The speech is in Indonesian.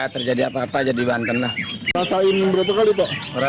sempat panik semua